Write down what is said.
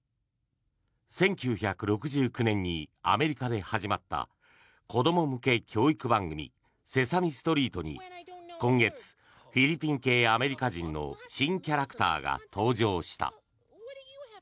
１９６９年にアメリカで始まった子ども向け教育番組「セサミストリート」に今月、フィリピン系アメリカ人の新キャラクターが登場した。